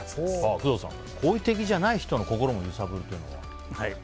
工藤さん、好意的じゃない人の心も揺さぶるというのは？